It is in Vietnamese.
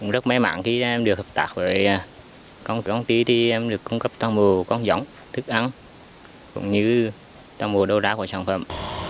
rất may mắn khi em được hợp tác với công ty thì em được cung cấp toàn bộ con giống thức ăn cũng như toàn bộ đồ đá của sản phẩm